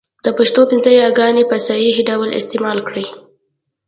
د پښتو پنځه یاګاني ی، ي، ې، ۍ، ئ په صحيح ډول استعمال کړئ!